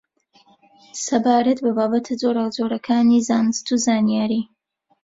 سەبارەت بە بابەتە جۆراوجۆرەکانی زانست و زانیاری